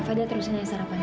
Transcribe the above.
fadil terusin ya sarapannya